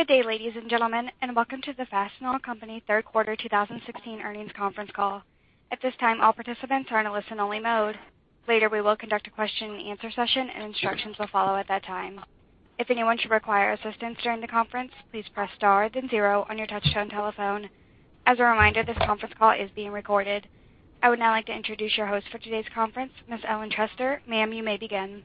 Good day, ladies and gentlemen, welcome to the Fastenal Company third quarter 2016 earnings conference call. At this time, all participants are in a listen only mode. Later, we will conduct a question and answer session, and instructions will follow at that time. If anyone should require assistance during the conference, please press star then zero on your touchtone telephone. As a reminder, this conference call is being recorded. I would now like to introduce your host for today's conference, Ms. Ellen Trester. Ma'am, you may begin.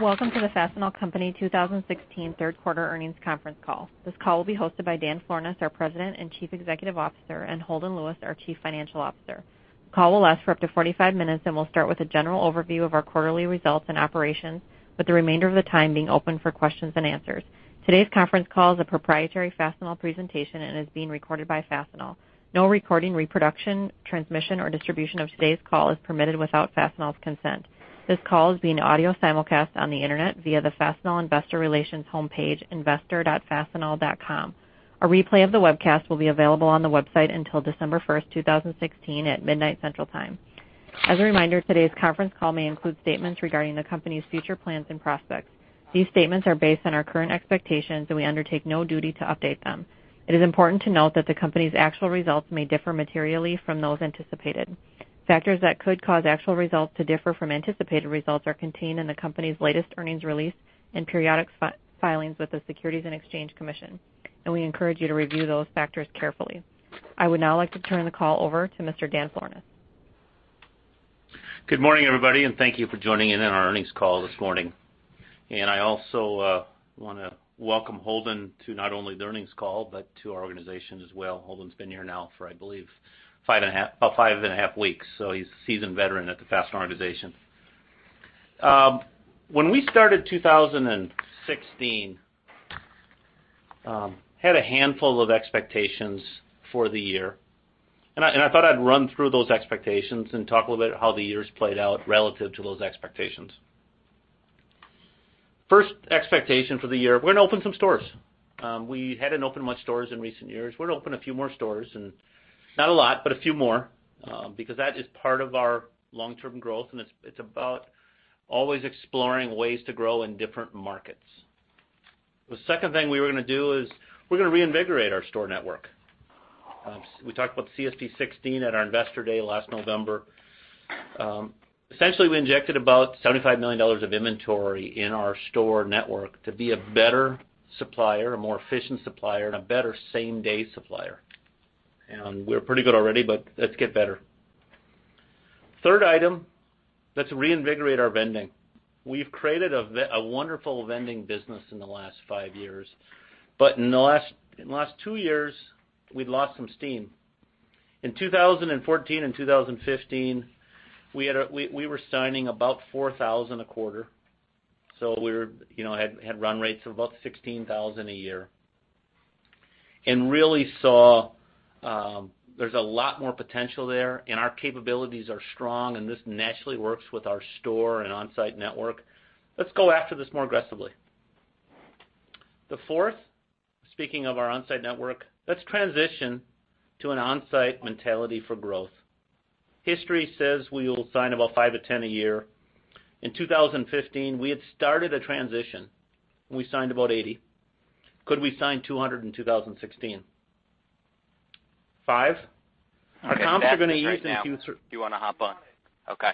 Welcome to the Fastenal Company 2016 third quarter earnings conference call. This call will be hosted by Dan Florness, our President and Chief Executive Officer, and Holden Lewis, our Chief Financial Officer. The call will last for up to 45 minutes and will start with a general overview of our quarterly results and operations, with the remainder of the time being open for questions and answers. Today's conference call is a proprietary Fastenal presentation and is being recorded by Fastenal. No recording, reproduction, transmission, or distribution of today's call is permitted without Fastenal's consent. This call is being audio simulcast on the internet via the Fastenal investor relations homepage, investor.fastenal.com. A replay of the webcast will be available on the website until December first, 2016, at midnight Central Time. As a reminder, today's conference call may include statements regarding the company's future plans and prospects. These statements are based on our current expectations, and we undertake no duty to update them. It is important to note that the company's actual results may differ materially from those anticipated. Factors that could cause actual results to differ from anticipated results are contained in the company's latest earnings release and periodic filings with the Securities and Exchange Commission, and we encourage you to review those factors carefully. I would now like to turn the call over to Mr. Dan Florness. Good morning, everybody, and thank you for joining in on our earnings call this morning. I also want to welcome Holden to not only the earnings call, but to our organization as well. Holden's been here now for, I believe, five and a half weeks, so he's a seasoned veteran at the Fastenal organization. When we started 2016, had a handful of expectations for the year, and I thought I'd run through those expectations and talk a little bit how the year's played out relative to those expectations. First expectation for the year, we're going to open some stores. We hadn't opened much stores in recent years. We're going to open a few more stores, and not a lot, but a few more, because that is part of our long-term growth, and it's about always exploring ways to grow in different markets. The second thing we were going to do is we're going to reinvigorate our store network. We talked about CSP16 at our investor day last November. Essentially, we injected about $75 million of inventory in our store network to be a better supplier, a more efficient supplier, and a better same-day supplier. We're pretty good already, but let's get better. Third item, let's reinvigorate our vending. We've created a wonderful vending business in the last five years, but in the last two years, we'd lost some steam. In 2014 and 2015, we were signing about 4,000 a quarter, so we had run rates of about 16,000 a year and really saw there's a lot more potential there and our capabilities are strong, and this naturally works with our store and Onsite network. Let's go after this more aggressively. The fourth, speaking of our Onsite network, let's transition to an Onsite mentality for growth. History says we will sign about five to 10 a year. In 2015, we had started a transition. We signed about 80. Could we sign 200 in 2016? Five. Our comps are going to ease in Q- Do you want to hop on? Okay.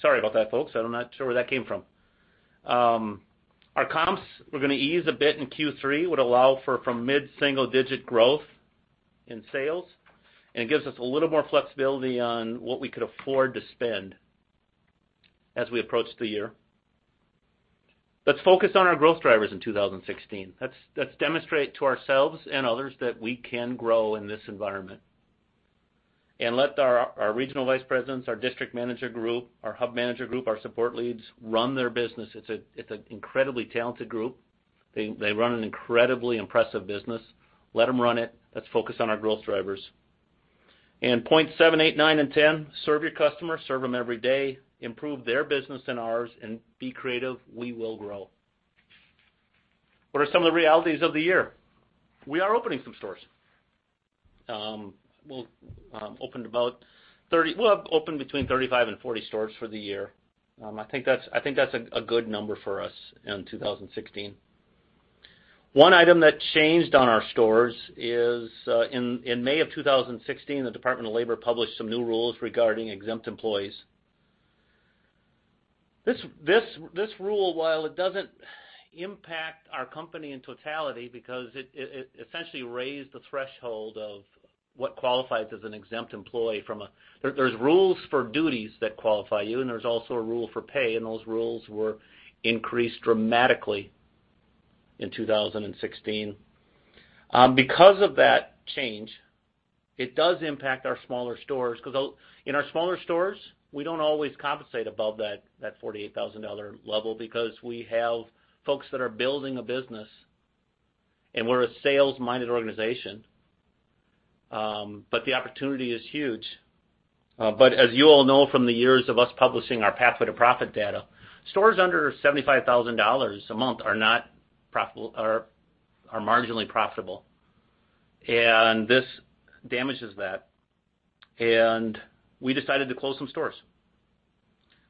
Sorry about that, folks. I'm not sure where that came from. Our comps were going to ease a bit in Q3, would allow for mid-single digit growth in sales, and gives us a little more flexibility on what we could afford to spend as we approach the year. Let's focus on our growth drivers in 2016. Let's demonstrate to ourselves and others that we can grow in this environment and let our regional vice presidents, our district manager group, our hub manager group, our support leads run their business. It's an incredibly talented group. They run an incredibly impressive business. Let them run it. Let's focus on our growth drivers. Point seven, eight, nine, and 10, serve your customers, serve them every day, improve their business and ours, and be creative. We will grow. What are some of the realities of the year? We are opening some stores. We'll have opened between 35 and 40 stores for the year. I think that's a good number for us in 2016. One item that changed on our stores is, in May of 2016, the Department of Labor published some new rules regarding exempt employees. This rule, while it doesn't impact our company in totality because it essentially raised the threshold of what qualifies as an exempt employee. There's rules for duties that qualify you, and there's also a rule for pay, and those rules were increased dramatically in 2016. That change, it does impact our smaller stores, because in our smaller stores, we don't always compensate above that $48,000 level because we have folks that are building a business, and we're a sales-minded organization, but the opportunity is huge. As you all know from the years of us publishing our pathway to profit data, stores under $75,000 a month are marginally profitable. This damages that, and we decided to close some stores.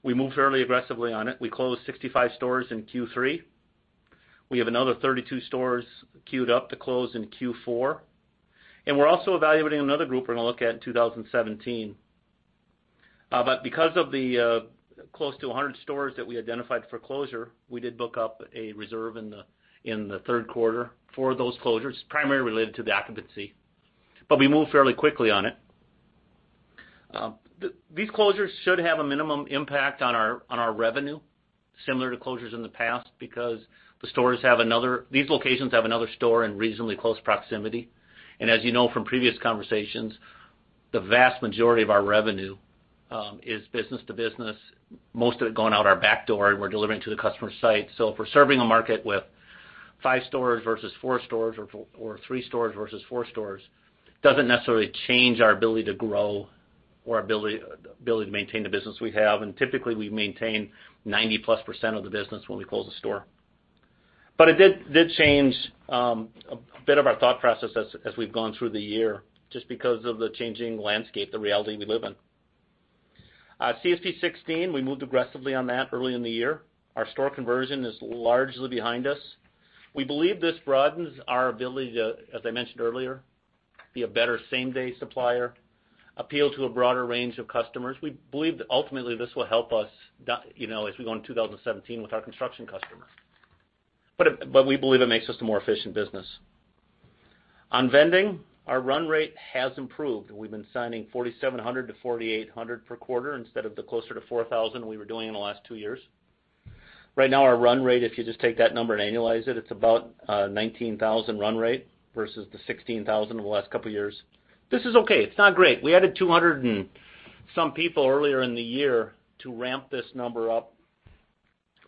We moved fairly aggressively on it. We closed 65 stores in Q3. We have another 32 stores queued up to close in Q4, and we're also evaluating another group we're going to look at in 2017. Because of the close to 100 stores that we identified for closure, we did book up a reserve in the third quarter for those closures, primarily related to the occupancy. We moved fairly quickly on it. These closures should have a minimum impact on our revenue, similar to closures in the past, because these locations have another store in reasonably close proximity. As you know from previous conversations, the vast majority of our revenue is business to business, most of it going out our back door, and we're delivering to the customer site. If we're serving a market with five stores versus four stores or three stores versus four stores, doesn't necessarily change our ability to grow or our ability to maintain the business we have. Typically, we maintain 90-plus % of the business when we close a store. It did change a bit of our thought process as we've gone through the year, just because of the changing landscape, the reality we live in. CSP 16, we moved aggressively on that early in the year. Our store conversion is largely behind us. We believe this broadens our ability to, as I mentioned earlier, be a better same-day supplier, appeal to a broader range of customers. We believe that ultimately this will help us as we go into 2017 with our construction customers. We believe it makes us a more efficient business. On vending, our run rate has improved. We've been signing 4,700 to 4,800 per quarter instead of the closer to 4,000 we were doing in the last two years. Right now, our run rate, if you just take that number and annualize it's about 19,000 run rate versus the 16,000 of the last couple of years. This is okay. It's not great. We added 200 and some people earlier in the year to ramp this number up.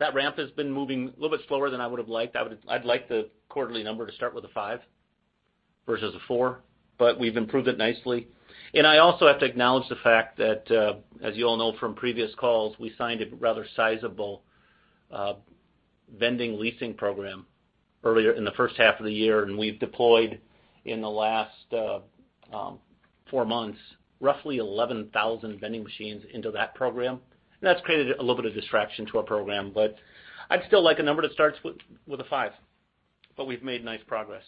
That ramp has been moving a little bit slower than I would've liked. I'd like the quarterly number to start with a five versus a four, but we've improved it nicely. I also have to acknowledge the fact that, as you all know from previous calls, we signed a rather sizable vending leasing program earlier in the first half of the year, we've deployed in the last four months, roughly 11,000 vending machines into that program. That's created a little bit of distraction to our program, but I'd still like a number that starts with a five. We've made nice progress.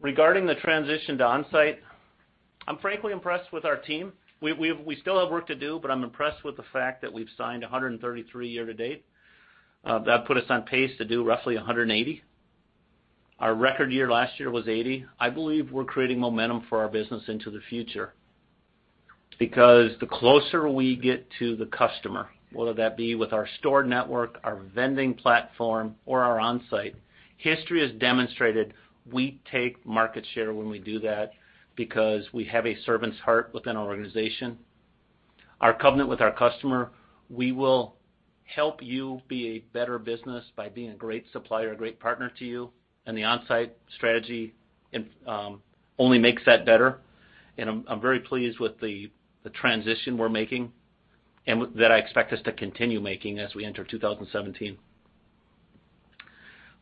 Regarding the transition to Onsite, I'm frankly impressed with our team. We still have work to do, but I'm impressed with the fact that we've signed 133 year-to-date. That put us on pace to do roughly 180. Our record year last year was 80. I believe we're creating momentum for our business into the future. The closer we get to the customer, whether that be with our store network, our vending platform, or our Onsite, history has demonstrated we take market share when we do that because we have a servant's heart within our organization. Our covenant with our customer, we will help you be a better business by being a great supplier, a great partner to you, the Onsite strategy only makes that better, I'm very pleased with the transition we're making, that I expect us to continue making as we enter 2017.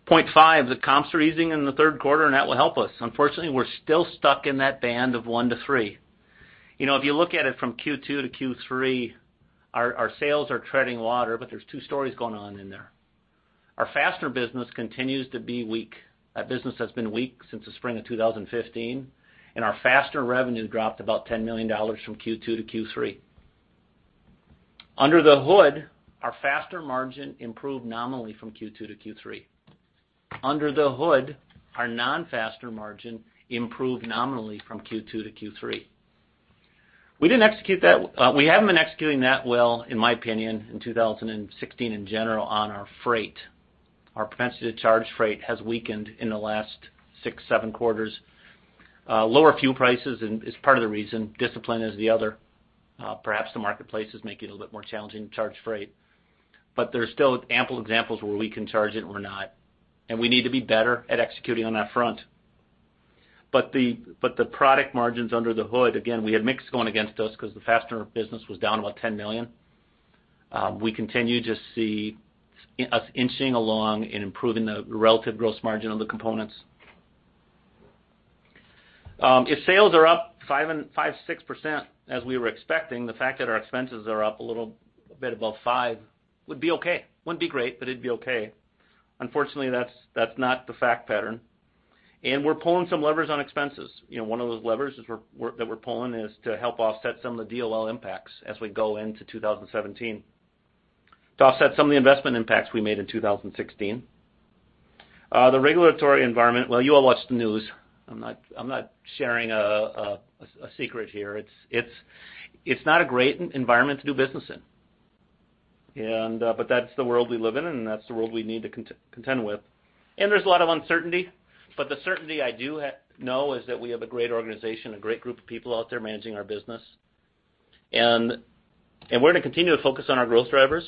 Point five, the comps are easing in the third quarter, that will help us. Unfortunately, we're still stuck in that band of 1%-3%. If you look at it from Q2 to Q3, our sales are treading water, there's two stories going on in there. Our faster business continues to be weak. That business has been weak since the spring of 2015, our faster revenue dropped about $10 million from Q2 to Q3. Under the hood, our faster margin improved nominally from Q2 to Q3. Under the hood, our non-faster margin improved nominally from Q2 to Q3. We haven't been executing that well, in my opinion, in 2016 in general on our freight. Our propensity to charge freight has weakened in the last six, seven quarters. Lower fuel prices is part of the reason. Discipline is the other. Perhaps the marketplace is making it a little bit more challenging to charge freight. There's still ample examples where we can charge it or not, we need to be better at executing on that front. The product margins under the hood, again, we had mix going against us because the faster business was down about $10 million. We continue to see us inching along and improving the relative gross margin on the components. If sales are up 5%, 6%, as we were expecting, the fact that our expenses are up a little bit above five would be okay. Wouldn't be great, but it'd be okay. Unfortunately, that's not the fact pattern. We're pulling some levers on expenses. One of those levers that we're pulling is to help offset some of the DOL impacts as we go into 2017. To offset some of the investment impacts we made in 2016. The regulatory environment, well, you all watch the news. I'm not sharing a secret here. It's not a great environment to do business in. That's the world we live in, that's the world we need to contend with. There's a lot of uncertainty, but the certainty I do know is that we have a great organization, a great group of people out there managing our business. We're going to continue to focus on our growth drivers,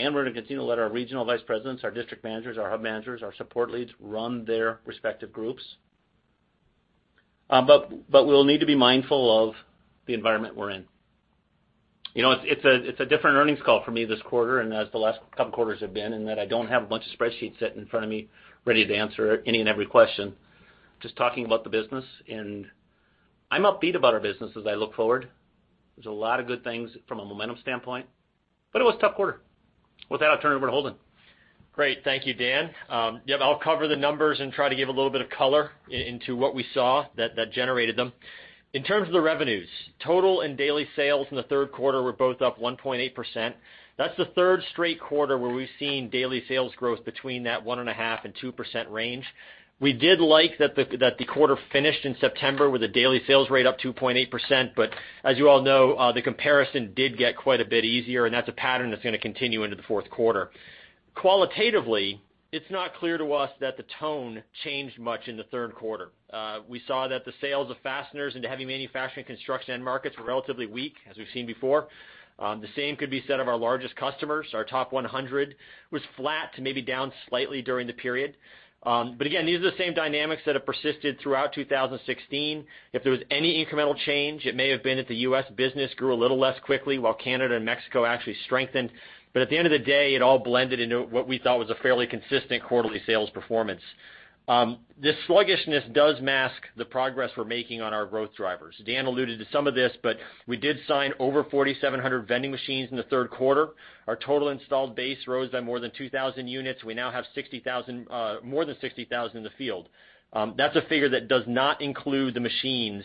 and we're going to continue to let our regional vice presidents, our district managers, our hub managers, our support leads run their respective groups. We'll need to be mindful of the environment we're in. It's a different earnings call for me this quarter, and as the last couple quarters have been, in that I don't have a bunch of spreadsheets sitting in front of me ready to answer any and every question, just talking about the business. I'm upbeat about our business as I look forward. There's a lot of good things from a momentum standpoint, but it was a tough quarter. With that, I'll turn it over to Holden. Great. Thank you, Dan. I'll cover the numbers and try to give a little bit of color into what we saw that generated them. In terms of the revenues, total and daily sales in the third quarter were both up 1.8%. That's the third straight quarter where we've seen daily sales growth between that 1.5%-2% range. We did like that the quarter finished in September with a daily sales rate up 2.8%. As you all know, the comparison did get quite a bit easier, and that's a pattern that's going to continue into the fourth quarter. Qualitatively, it's not clear to us that the tone changed much in the third quarter. We saw that the sales of fasteners into heavy manufacturing construction end markets were relatively weak, as we've seen before. The same could be said of our largest customers. Our top 100 was flat to maybe down slightly during the period. Again, these are the same dynamics that have persisted throughout 2016. If there was any incremental change, it may have been that the U.S. business grew a little less quickly while Canada and Mexico actually strengthened. At the end of the day, it all blended into what we thought was a fairly consistent quarterly sales performance. This sluggishness does mask the progress we're making on our growth drivers. Dan alluded to some of this. We did sign over 4,700 vending machines in the third quarter. Our total installed base rose by more than 2,000 units. We now have more than 60,000 in the field. That's a figure that does not include the machines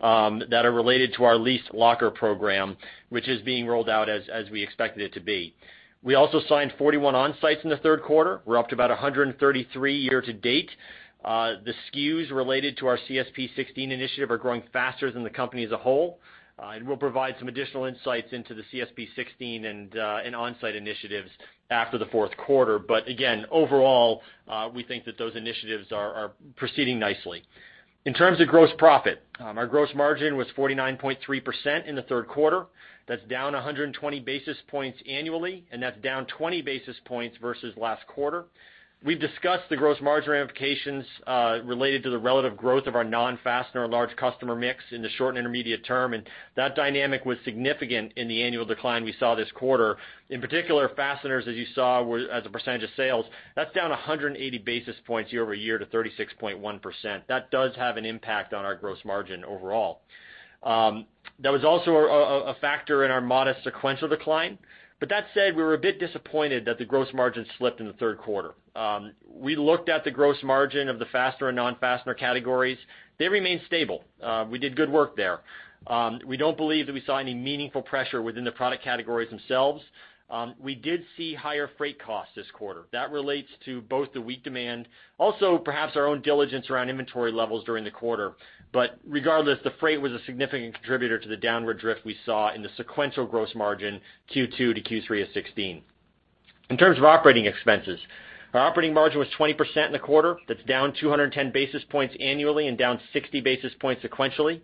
that are related to our leased locker program, which is being rolled out as we expected it to be. We also signed 41 Onsites in the third quarter. We're up to about 133 year-to-date. The SKUs related to our CSP16 initiative are growing faster than the company as a whole. We'll provide some additional insights into the CSP16 and Onsite initiatives after the fourth quarter. Again, overall, we think that those initiatives are proceeding nicely. In terms of gross profit, our gross margin was 49.3% in the third quarter. That's down 120 basis points annually, and that's down 20 basis points versus last quarter. We've discussed the gross margin ramifications related to the relative growth of our non-fastener and large customer mix in the short and intermediate term, and that dynamic was significant in the annual decline we saw this quarter. In particular, Fasteners, as you saw, as a percentage of sales, that's down 180 basis points year-over-year to 36.1%. That does have an impact on our gross margin overall. That was also a factor in our modest sequential decline. That said, we were a bit disappointed that the gross margin slipped in the third quarter. We looked at the gross margin of the fastener and non-fastener categories. They remained stable. We did good work there. We don't believe that we saw any meaningful pressure within the product categories themselves. We did see higher freight costs this quarter. That relates to both the weak demand, also perhaps our own diligence around inventory levels during the quarter. Regardless, the freight was a significant contributor to the downward drift we saw in the sequential gross margin, Q2 to Q3 of 2016. In terms of operating expenses, our operating margin was 20% in the quarter. That's down 210 basis points annually and down 60 basis points sequentially.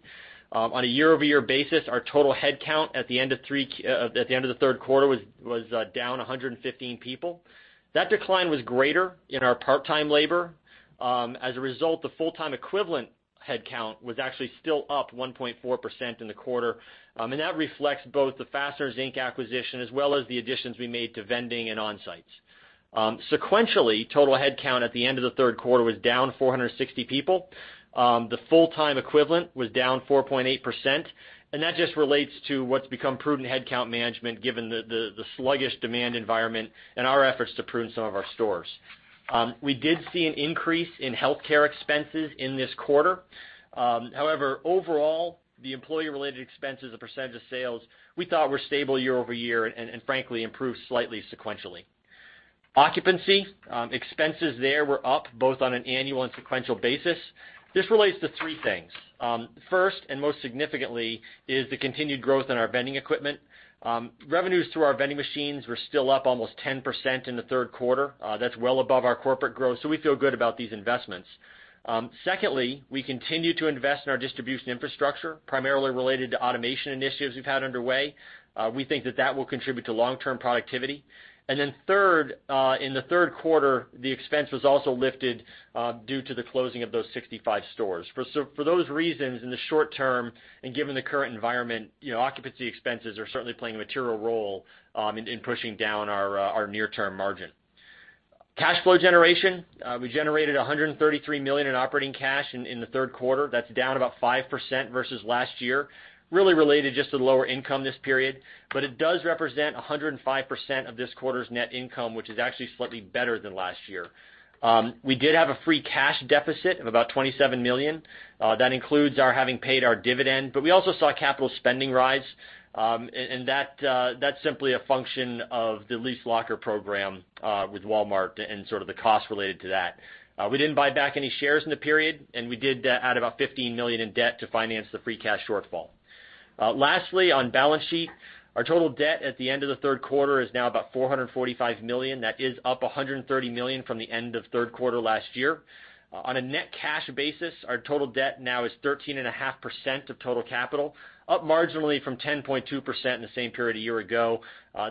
On a year-over-year basis, our total headcount at the end of the third quarter was down 115 people. That decline was greater in our part-time labor. As a result, the full-time equivalent headcount was actually still up 1.4% in the quarter. That reflects both the Fasteners, Inc. acquisition, as well as the additions we made to vending and Onsites. Sequentially, total headcount at the end of the third quarter was down 460 people. The full-time equivalent was down 4.8%, and that just relates to what's become prudent headcount management, given the sluggish demand environment and our efforts to prune some of our stores. We did see an increase in healthcare expenses in this quarter. However, overall, the employee-related expenses, the percentage of sales, we thought were stable year-over-year, and frankly, improved slightly sequentially. Occupancy expenses there were up, both on an annual and sequential basis. This relates to three things. First, and most significantly, is the continued growth in our vending equipment. Revenues through our vending machines were still up almost 10% in the third quarter. That's well above our corporate growth, so we feel good about these investments. Secondly, we continue to invest in our distribution infrastructure, primarily related to automation initiatives we've had underway. We think that that will contribute to long-term productivity. Third, in the third quarter, the expense was also lifted due to the closing of those 65 stores. For those reasons, in the short term, and given the current environment, occupancy expenses are certainly playing a material role in pushing down our near-term margin. Cash flow generation. We generated $133 million in operating cash in the third quarter. That's down about 5% versus last year, really related just to the lower income this period. It does represent 105% of this quarter's net income, which is actually slightly better than last year. We did have a free cash deficit of about $27 million. That includes our having paid our dividend, but we also saw capital spending rise. That's simply a function of the leased locker program with Walmart and sort of the cost related to that. We didn't buy back any shares in the period, and we did add about $15 million in debt to finance the free cash shortfall. Lastly, on balance sheet, our total debt at the end of the third quarter is now about $445 million. That is up $130 million from the end of third quarter last year. On a net cash basis, our total debt now is 13.5% of total capital, up marginally from 10.2% in the same period a year ago.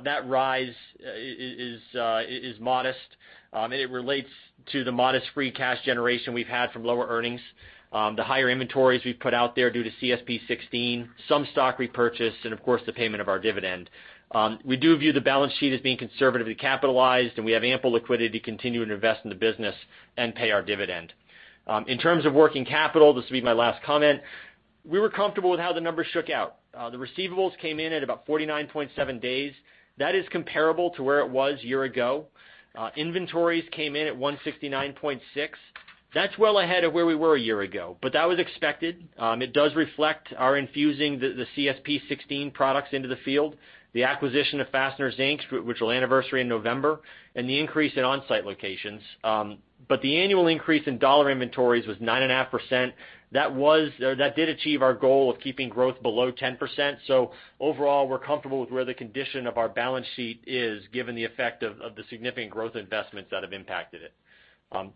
That rise is modest. It relates to the modest free cash generation we've had from lower earnings, the higher inventories we've put out there due to CSP 16, some stock repurchase, and of course, the payment of our dividend. We do view the balance sheet as being conservatively capitalized, and we have ample liquidity to continue to invest in the business and pay our dividend. In terms of working capital, this will be my last comment, we were comfortable with how the numbers shook out. The receivables came in at about 49.7 days. That is comparable to where it was a year ago. Inventories came in at 169.6. That's well ahead of where we were a year ago, but that was expected. It does reflect our infusing the CSP 16 products into the field, the acquisition of Fasteners, Inc., which will anniversary in November, and the increase in Onsite locations. The annual increase in dollar inventories was 9.5%. That did achieve our goal of keeping growth below 10%. Overall, we're comfortable with where the condition of our balance sheet is, given the effect of the significant growth investments that have impacted it.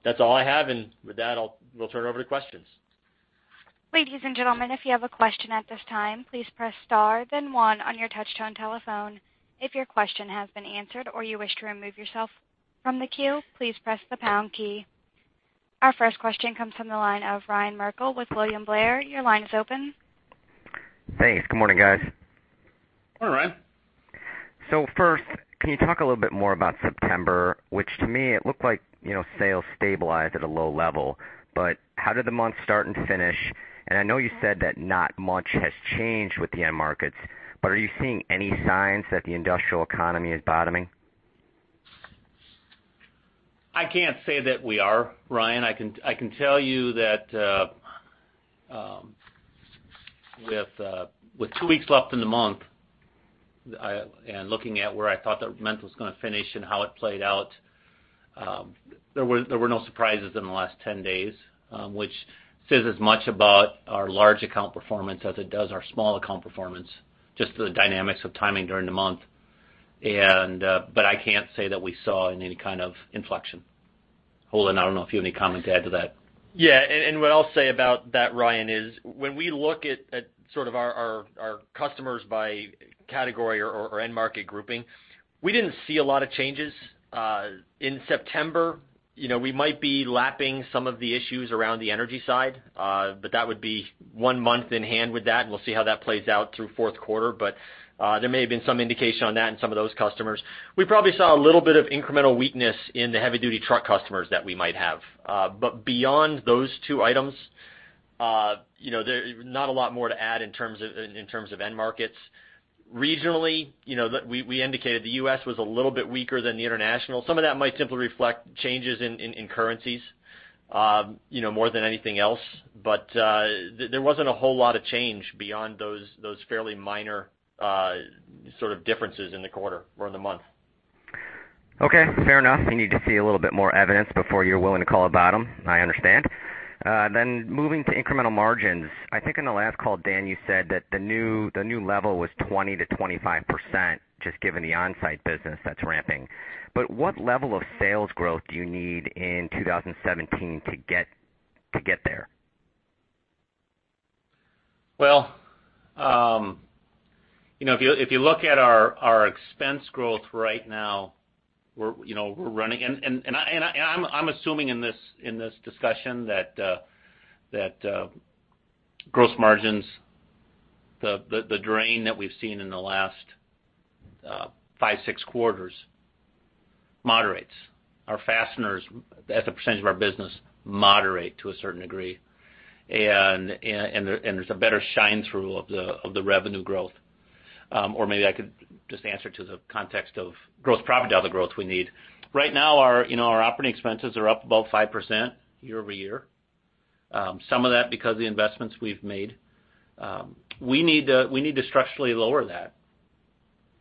That's all I have, and with that, we'll turn it over to questions. Ladies and gentlemen, if you have a question at this time, please press star then one on your touch-tone telephone. If your question has been answered or you wish to remove yourself from the queue, please press the pound key. Our first question comes from the line of Ryan Merkel with William Blair. Your line is open. Thanks. Good morning, guys. Good morning, Ryan. First, can you talk a little bit more about September, which to me it looked like sales stabilized at a low level. How did the month start and finish? I know you said that not much has changed with the end markets, but are you seeing any signs that the industrial economy is bottoming? I can't say that we are, Ryan. I can tell you that with two weeks left in the month, and looking at where I thought that month was going to finish and how it played out, there were no surprises in the last 10 days, which says as much about our large account performance as it does our small account performance, just the dynamics of timing during the month. I can't say that we saw any kind of inflection. Holden, I don't know if you have any comment to add to that. Yeah. What I'll say about that, Ryan, is when we look at our customers by category or end market grouping, we didn't see a lot of changes. In September, we might be lapping some of the issues around the energy side, that would be one month in hand with that. We'll see how that plays out through fourth quarter. There may have been some indication on that in some of those customers. We probably saw a little bit of incremental weakness in the heavy-duty truck customers that we might have. Beyond those two items, there's not a lot more to add in terms of end markets. Regionally, we indicated the U.S. was a little bit weaker than the international. Some of that might simply reflect changes in currencies more than anything else. There wasn't a whole lot of change beyond those fairly minor differences in the quarter or in the month. Okay, fair enough. You need to see a little bit more evidence before you're willing to call a bottom. I understand. Moving to incremental margins. I think on the last call, Dan, you said that the new level was 20%-25%, just given the Onsite business that's ramping. What level of sales growth do you need in 2017 to get there? If you look at our expense growth right now, we're running. I'm assuming in this discussion that gross margins, the drain that we've seen in the last five, six quarters, moderates. Our fasteners, as a percentage of our business, moderate to a certain degree, and there's a better shine through of the revenue growth. Maybe I could just answer to the context of gross profit dollar growth we need. Right now, our operating expenses are up about 5% year-over-year. Some of that because of the investments we've made. We need to structurally lower that,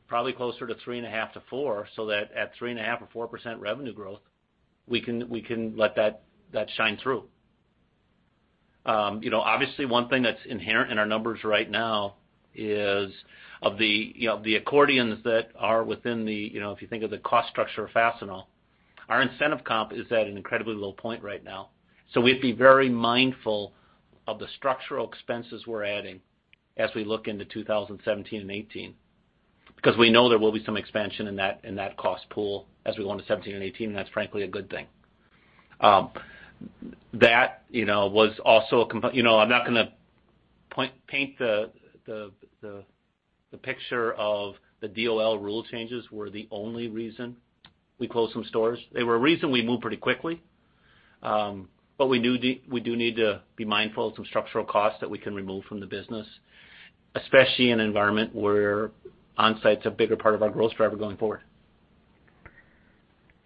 probably closer to 3.5%-4%, so that at 3.5% or 4% revenue growth, we can let that shine through. Obviously, one thing that's inherent in our numbers right now is of the accordions that are within the, if you think of the cost structure of Fastenal, our incentive comp is at an incredibly low point right now. We have to be very mindful of the structural expenses we're adding as we look into 2017 and 2018, because we know there will be some expansion in that cost pool as we go into 2017 and 2018, and that's frankly a good thing. I'm not going to paint the picture of the DOL rule changes were the only reason we closed some stores. They were a reason we moved pretty quickly. We do need to be mindful of some structural costs that we can remove from the business, especially in an environment where Onsite's a bigger part of our growth driver going forward.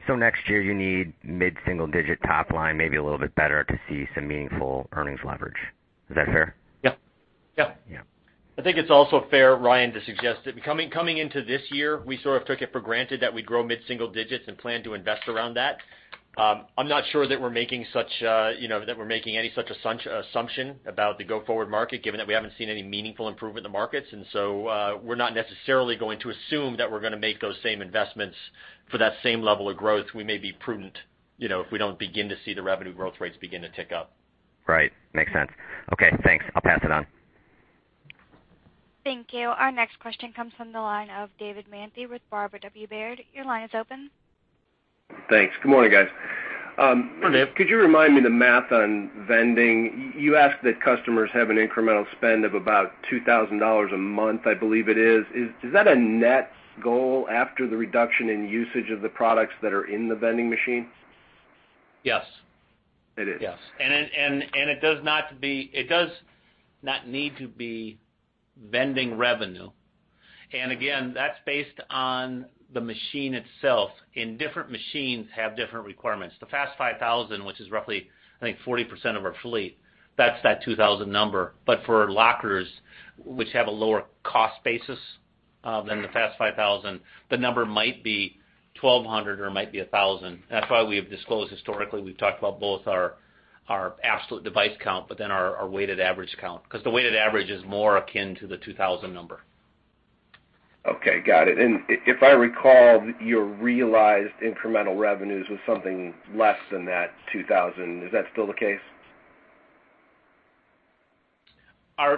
Next year you need mid-single-digit top-line, maybe a little bit better, to see some meaningful earnings leverage. Is that fair? Yeah. Yeah. I think it's also fair, Ryan, to suggest that coming into this year, we sort of took it for granted that we'd grow mid-single-digits and planned to invest around that. I'm not sure that we're making any such assumption about the go-forward market, given that we haven't seen any meaningful improvement in the markets. We're not necessarily going to assume that we're going to make those same investments for that same level of growth. We may be prudent, if we don't begin to see the revenue growth rates begin to tick up. Right. Makes sense. Okay, thanks. I'll pass it on. Thank you. Our next question comes from the line of David Manthey with Robert W. Baird. Your line is open. Thanks. Good morning, guys. Morning. Could you remind me the math on vending? You asked that customers have an incremental spend of about $2,000 a month, I believe it is. Is that a net goal after the reduction in usage of the products that are in the vending machine? Yes. It is? Yes. It does not need to be vending revenue. Again, that's based on the machine itself, and different machines have different requirements. The FAST 5000, which is roughly, I think, 40% of our fleet, that's that 2,000 number. For lockers, which have a lower cost basis than the FAST 5000, the number might be 1,200 or might be 1,000. That's why we have disclosed historically, we've talked about both our absolute device count, but then our weighted average count. The weighted average is more akin to the 2,000 number. Okay, got it. If I recall, your realized incremental revenues was something less than that $2,000. Is that still the case?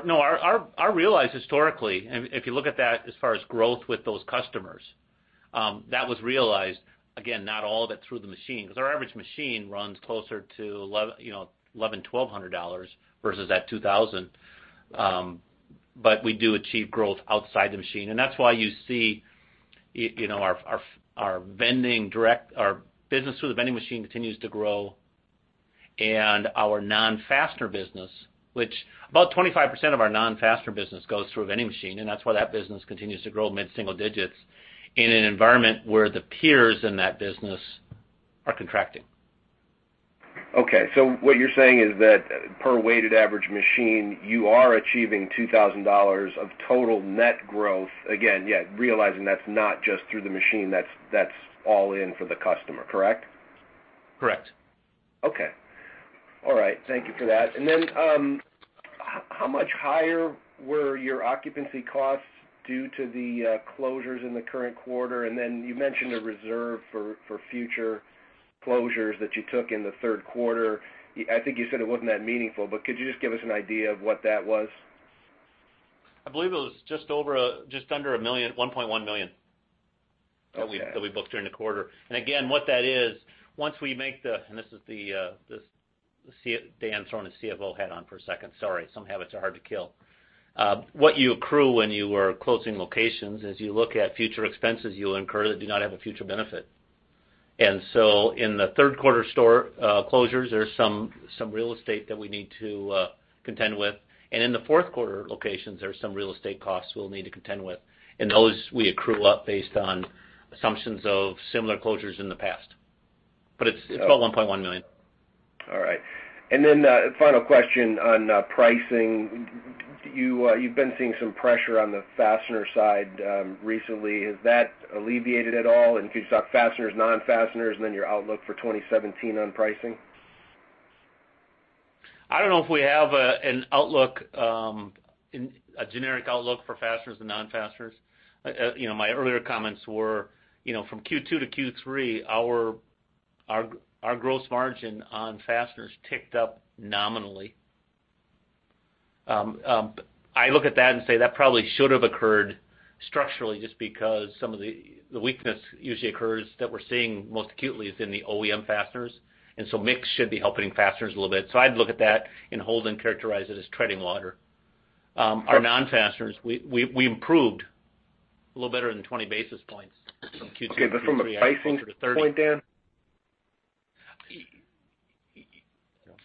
No, our realized historically, if you look at that as far as growth with those customers, that was realized, again, not all of it through the machine, because our average machine runs closer to $1,100-$1,200 versus that $2,000. We do achieve growth outside the machine. That's why you see our business through the vending machine continues to grow and our non-fastener business, which about 25% of our non-fastener business goes through a vending machine, and that's why that business continues to grow mid-single digits in an environment where the peers in that business are contracting. Okay. What you're saying is that per weighted average machine, you are achieving $2,000 of total net growth. Again, yet realizing that's not just through the machine, that's all in for the customer, correct? Correct. Okay. All right. Thank you for that. How much higher were your occupancy costs due to the closures in the current quarter? You mentioned a reserve for future closures that you took in the third quarter. I think you said it wasn't that meaningful, but could you just give us an idea of what that was? I believe it was just under a million, $1.1 million. Okay Again, what that is, once we make the, this is Dan throwing his CFO hat on for a second, sorry, some habits are hard to kill. What you accrue when you are closing locations is you look at future expenses you'll incur that do not have a future benefit. In the third quarter store closures, there's some real estate that we need to contend with. In the fourth quarter locations, there's some real estate costs we'll need to contend with. Those we accrue up based on assumptions of similar closures in the past. It's about $1.1 million. All right. Then final question on pricing. You've been seeing some pressure on the fastener side recently. Is that alleviated at all? Could you talk fasteners, non-fasteners, then your outlook for 2017 on pricing? I don't know if we have a generic outlook for fasteners and non-fasteners. My earlier comments were, from Q2 to Q3, our gross margin on fasteners ticked up nominally. I look at that and say that probably should have occurred structurally just because some of the weakness usually occurs that we're seeing most acutely is in the OEM fasteners. Mix should be helping fasteners a little bit. I'd look at that and Holden and characterize it as treading water. Our non-fasteners, we improved a little better than 20 basis points from Q2 to Q3. Okay. From a pricing point, Dan?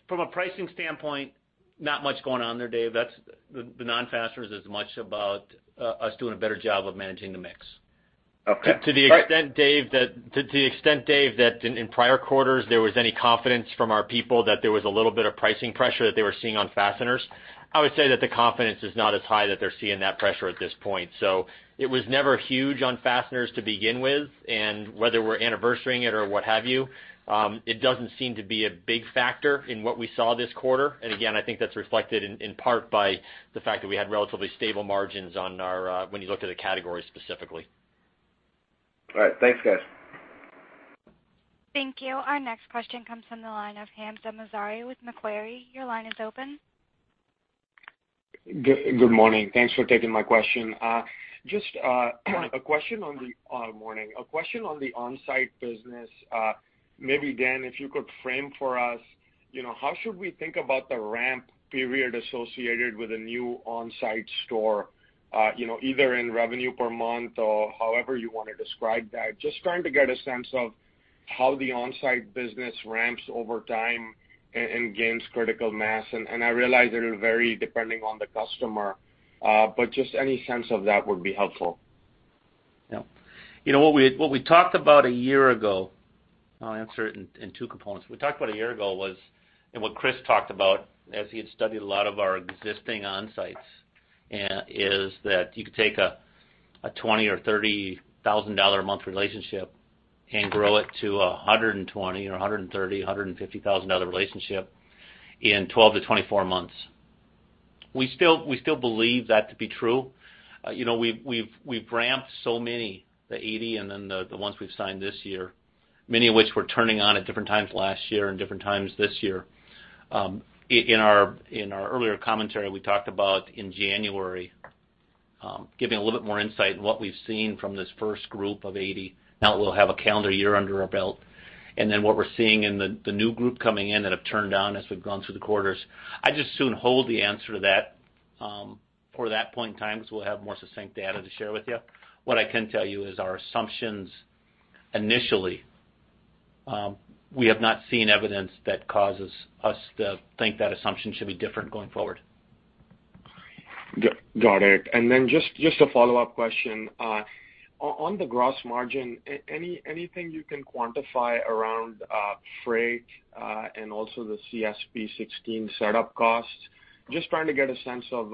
From a pricing standpoint, not much going on there, Dave. The non-fasteners is much about us doing a better job of managing the mix. Okay. All right. To the extent, Dave, that in prior quarters, there was any confidence from our people that there was a little bit of pricing pressure that they were seeing on fasteners, I would say that the confidence is not as high that they're seeing that pressure at this point. It was never huge on fasteners to begin with, and whether we're anniversarying it or what have you, it doesn't seem to be a big factor in what we saw this quarter. Again, I think that's reflected in part by the fact that we had relatively stable margins when you look at a category specifically. All right. Thanks, guys. Thank you. Our next question comes from the line of Hamzah Mazari with Macquarie. Your line is open. Good morning. Thanks for taking my question. A question on the Onsite business. Maybe Dan, if you could frame for us, how should we think about the ramp period associated with a new Onsite store? Either in revenue per month or however you want to describe that. Just trying to get a sense of how the Onsite business ramps over time and gains critical mass. I realize it'll vary depending on the customer, but just any sense of that would be helpful. Yeah. What we talked about a year ago, I'll answer it in two components. We talked about a year ago was, and what Chris talked about as he had studied a lot of our existing Onsites, is that you could take a 20 or $30,000 a month relationship and grow it to 120 or 130, $150,000 relationship in 12 to 24 months. We still believe that to be true. We've ramped so many, the 80 and then the ones we've signed this year. Many of which were turning on at different times last year and different times this year. In our earlier commentary, we talked about in January, giving a little bit more insight in what we've seen from this first group of 80. Now we'll have a calendar year under our belt. What we're seeing in the new group coming in that have turned on as we've gone through the quarters. I'd just soon hold the answer to that for that point in time, because we'll have more succinct data to share with you. What I can tell you is our assumptions initially, we have not seen evidence that causes us to think that assumption should be different going forward. Got it. Just a follow-up question. On the gross margin, anything you can quantify around freight, and also the CSP 16 setup costs? Just trying to get a sense of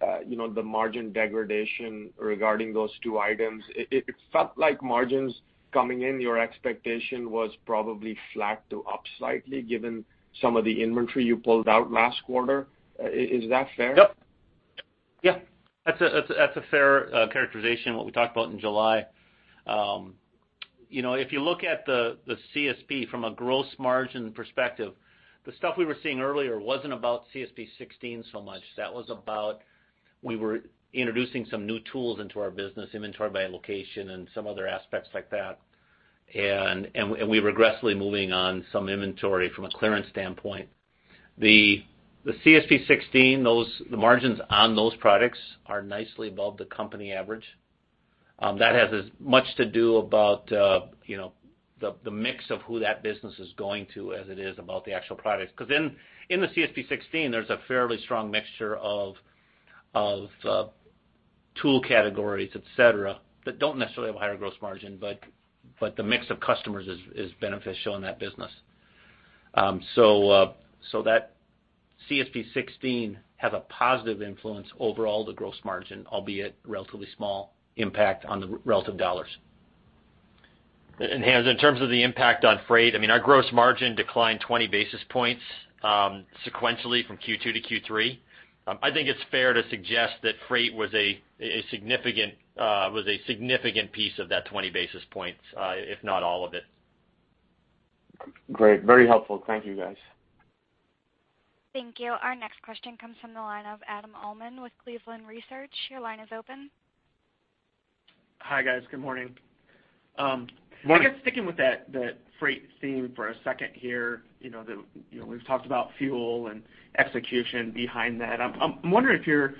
the margin degradation regarding those two items. It felt like margins coming in, your expectation was probably flat to up slightly given some of the inventory you pulled out last quarter. Is that fair? Yep. Yeah. That's a fair characterization of what we talked about in July. If you look at the CSP from a gross margin perspective, the stuff we were seeing earlier wasn't about CSP 16 so much. That was about, we were introducing some new tools into our business, inventory by location and some other aspects like that. We were aggressively moving on some inventory from a clearance standpoint. The CSP 16, the margins on those products are nicely above the company average. That has as much to do about the mix of who that business is going to as it is about the actual products. In the CSP 16, there's a fairly strong mixture of tool categories, et cetera, that don't necessarily have a higher gross margin, but the mix of customers is beneficial in that business. That CSP 16 has a positive influence over all the gross margin, albeit relatively small impact on the relative dollars. In terms of the impact on freight, our gross margin declined 20 basis points sequentially from Q2 to Q3. I think it's fair to suggest that freight was a significant piece of that 20 basis points, if not all of it. Great. Very helpful. Thank you, guys. Thank you. Our next question comes from the line of Adam Ulman with Cleveland Research. Your line is open. Hi, guys. Good morning. Morning. I guess sticking with that freight theme for a second here. We've talked about fuel and execution behind that. I'm wondering if you're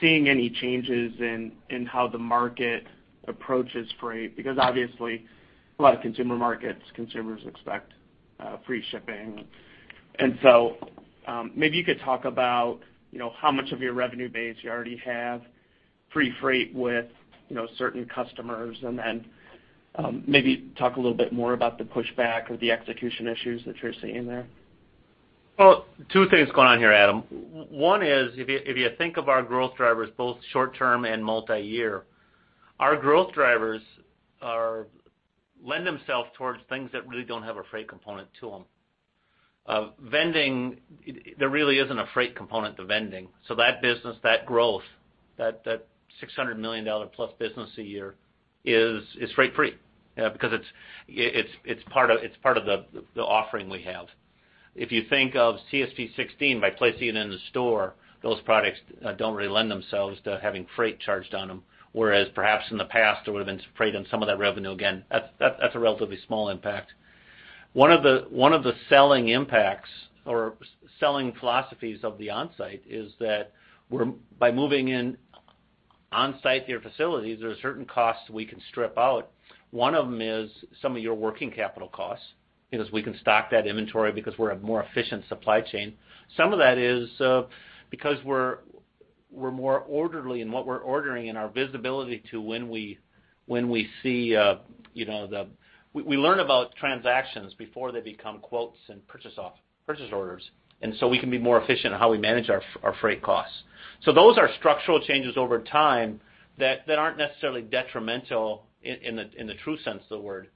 seeing any changes in how the market approaches freight, because obviously a lot of consumer markets, consumers expect free shipping. Maybe you could talk about how much of your revenue base you already have free freight with certain customers and then maybe talk a little bit more about the pushback or the execution issues that you're seeing there. Well, two things going on here, Adam. One is, if you think of our growth drivers, both short-term and multi-year, our growth drivers lend themselves towards things that really don't have a freight component to them. Vending, there really isn't a freight component to vending. That business, that growth, that $600 million plus business a year is freight free because it's part of the offering we have. If you think of CSP 16, by placing it in the store, those products don't really lend themselves to having freight charged on them, whereas perhaps in the past, there would've been freight on some of that revenue. Again, that's a relatively small impact. One of the selling impacts or selling philosophies of the Onsite is that by moving Onsite their facilities, there are certain costs we can strip out. One of them is some of your working capital costs, because we can stock that inventory because we're a more efficient supply chain. Some of that is because we're more orderly in what we're ordering and our visibility to when we learn about transactions before they become quotes and purchase orders. We can be more efficient in how we manage our freight costs. Those are structural changes over time that aren't necessarily detrimental in the true sense of the word.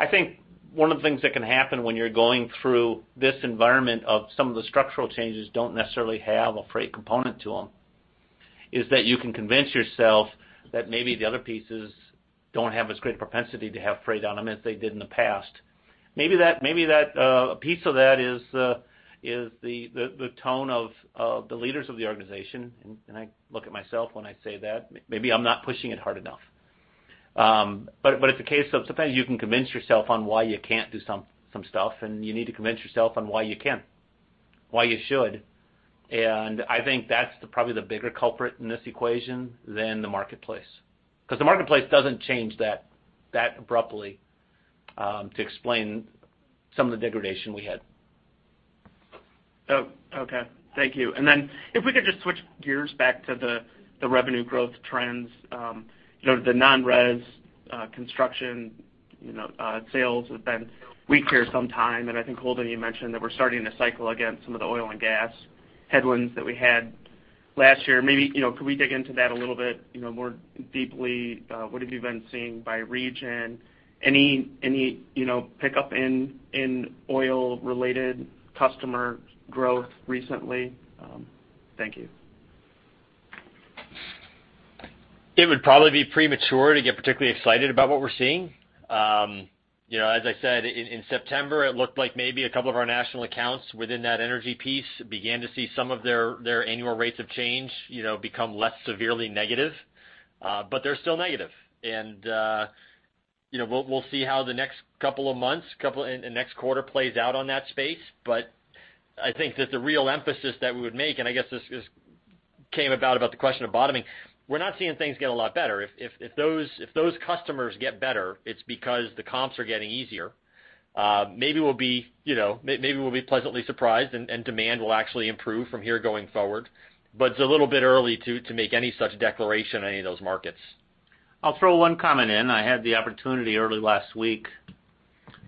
I think one of the things that can happen when you're going through this environment of some of the structural changes don't necessarily have a freight component to them, is that you can convince yourself that maybe the other pieces don't have as great a propensity to have freight on them as they did in the past. Maybe a piece of that is the tone of the leaders of the organization, and I look at myself when I say that. Maybe I'm not pushing it hard enough. It's a case of sometimes you can convince yourself on why you can't do some stuff, and you need to convince yourself on why you can, why you should. I think that's probably the bigger culprit in this equation than the marketplace. The marketplace doesn't change that abruptly to explain some of the degradation we had. Oh, okay. Thank you. If we could just switch gears back to the revenue growth trends. The non-res construction sales have been weak there some time, and I think, Holden, you mentioned that we're starting to cycle again some of the oil and gas headwinds that we had last year. Maybe, could we dig into that a little bit more deeply? What have you been seeing by region? Any pickup in oil-related customer growth recently? Thank you. It would probably be premature to get particularly excited about what we're seeing. As I said, in September, it looked like maybe a couple of our national accounts within that energy piece began to see some of their annual rates of change become less severely negative. They're still negative. We'll see how the next couple of months and next quarter plays out on that space. I think that the real emphasis that we would make, and I guess this came about the question of bottoming, we're not seeing things get a lot better. If those customers get better, it's because the comps are getting easier. Maybe we'll be pleasantly surprised and demand will actually improve from here going forward, but it's a little bit early to make any such declaration on any of those markets. I'll throw one comment in. I had the opportunity early last week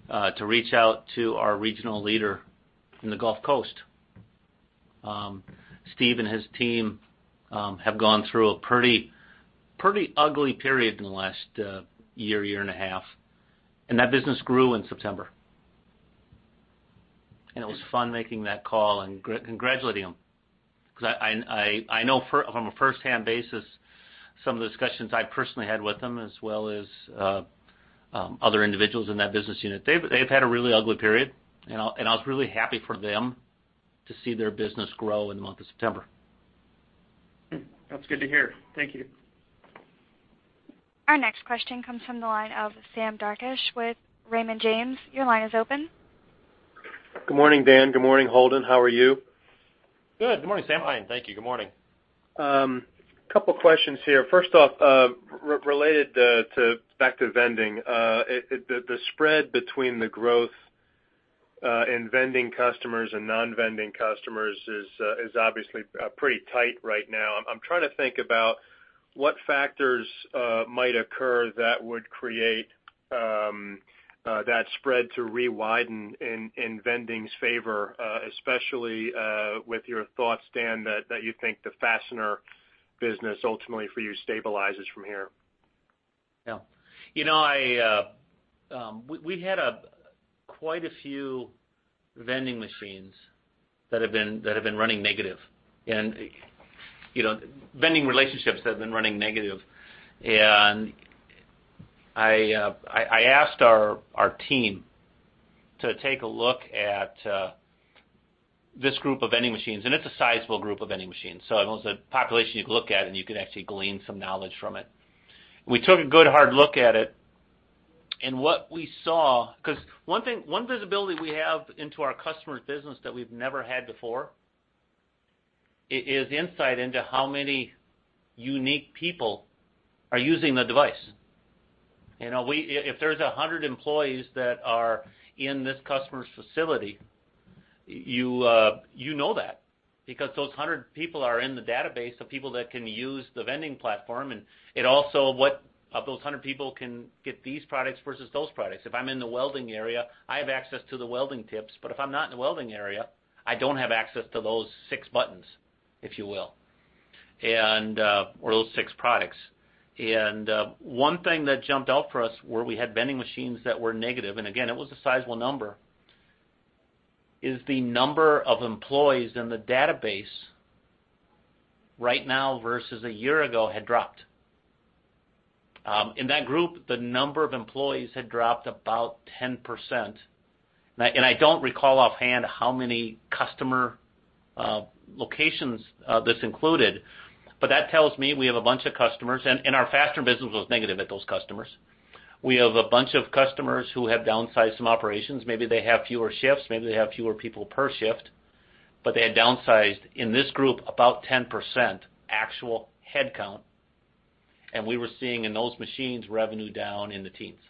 to reach out to our regional leader in the Gulf Coast. Steve and his team have gone through a pretty ugly period in the last year and a half. That business grew in September. It was fun making that call and congratulating him, because I know from a firsthand basis, some of the discussions I've personally had with him, as well as other individuals in that business unit. They've had a really ugly period, and I was really happy for them to see their business grow in the month of September. That's good to hear. Thank you. Our next question comes from the line of Sam Darkatsh with Raymond James. Your line is open. Good morning, Dan. Good morning, Holden. How are you? Good. Good morning, Sam. Fine. Thank you. Good morning. Couple questions here. First off, related back to vending. The spread between the growth in vending customers and non-vending customers is obviously pretty tight right now. I'm trying to think about what factors might occur that would create that spread to re-widen in vending's favor, especially with your thoughts, Dan, that you think the fastener business ultimately for you stabilizes from here. Yeah. We've had quite a few vending machines that have been running negative and vending relationships that have been running negative. I asked our team to take a look at this group of vending machines, and it's a sizable group of vending machines, so it was a population you'd look at, and you could actually glean some knowledge from it. We took a good hard look at it, and what we saw, because one visibility we have into our customer's business that we've never had before, is insight into how many unique people are using the device. If there's 100 employees that are in this customer's facility, you know that because those 100 people are in the database of people that can use the vending platform, and also, what of those 100 people can get these products versus those products. If I'm in the welding area, I have access to the welding tips, but if I'm not in the welding area, I don't have access to those six buttons, if you will, or those six products. One thing that jumped out for us where we had vending machines that were negative, and again, it was a sizable number, is the number of employees in the database right now versus a year ago had dropped. In that group, the number of employees had dropped about 10%, and I don't recall offhand how many customer locations this included. That tells me we have a bunch of customers, and our fastener business was negative at those customers. We have a bunch of customers who have downsized some operations. Maybe they have fewer shifts, maybe they have fewer people per shift, but they had downsized, in this group, about 10% actual headcount. We were seeing in those machines, revenue down in the teens.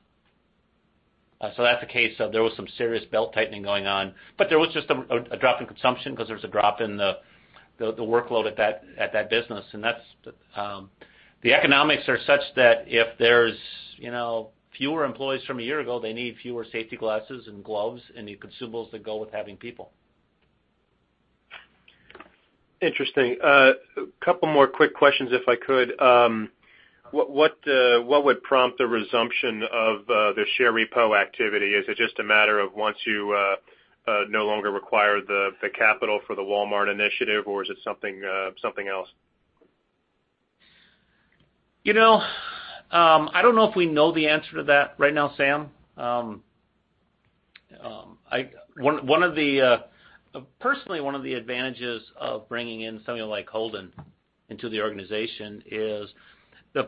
That's a case of there was some serious belt-tightening going on, but there was just a drop in consumption because there was a drop in the workload at that business. The economics are such that if there's fewer employees from a year ago, they need fewer safety glasses and gloves and the consumables that go with having people. Interesting. A couple more quick questions, if I could. What would prompt a resumption of the share repo activity? Is it just a matter of once you no longer require the capital for the Walmart initiative, or is it something else? I don't know if we know the answer to that right now, Sam. Personally, one of the advantages of bringing in somebody like Holden into the organization is the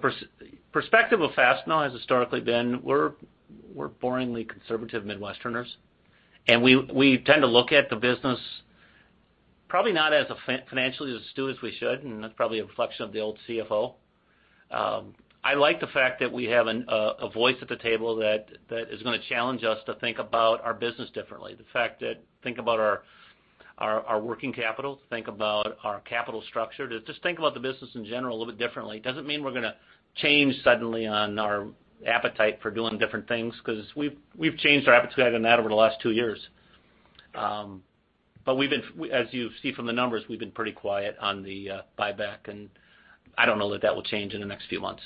perspective of Fastenal has historically been, we're boringly conservative Midwesterners, and we tend to look at the business probably not as financially astute as we should, and that's probably a reflection of the old CFO. I like the fact that we have a voice at the table that is going to challenge us to think about our business differently. The fact to think about our working capital, think about our capital structure, to just think about the business in general a little bit differently. It doesn't mean we're going to change suddenly on our appetite for doing different things, because we've changed our appetite on that over the last two years. As you see from the numbers, we've been pretty quiet on the buyback, and I don't know that that will change in the next few months.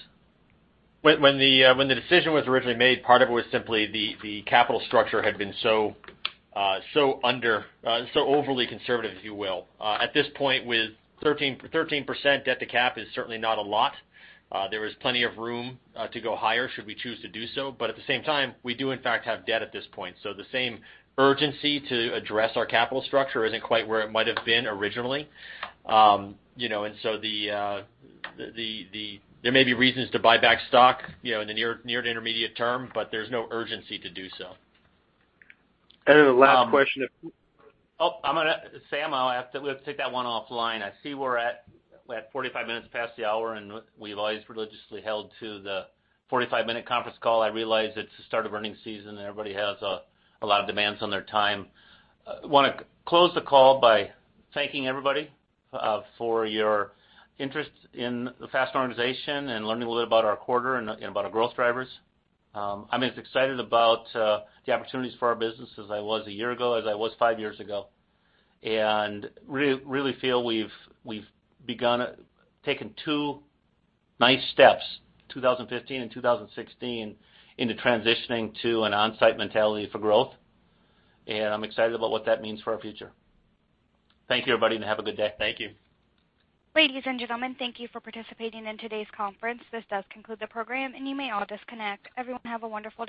When the decision was originally made, part of it was simply the capital structure had been so overly conservative, if you will. At this point, with 13% debt to cap is certainly not a lot. There is plenty of room to go higher should we choose to do so. At the same time, we do in fact have debt at this point. The same urgency to address our capital structure isn't quite where it might've been originally. There may be reasons to buy back stock in the near to intermediate term, but there's no urgency to do so. The last question. Sam, we have to take that one offline. I see we're at 45 minutes past the hour, and we've always religiously held to the 45-minute conference call. I realize it's the start of earnings season, and everybody has a lot of demands on their time. Want to close the call by thanking everybody for your interest in the Fastenal organization and learning a little bit about our quarter and about our growth drivers. I'm as excited about the opportunities for our business as I was a year ago, as I was five years ago. Really feel we've begun taking two nice steps, 2015 and 2016, into transitioning to an Onsite mentality for growth. I'm excited about what that means for our future. Thank you, everybody, and have a good day. Thank you. Ladies and gentlemen, thank you for participating in today's conference. This does conclude the program, and you may all disconnect. Everyone have a wonderful day.